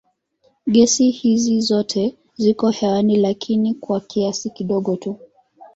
Gesi hizi zote ziko hewani lakini kwa kiasi kidogo tu.